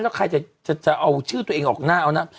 แล้วใครจะเอาชื่อตัวเองออกหน้า